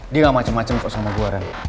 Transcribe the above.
dia gak macem macem kok sama gue ran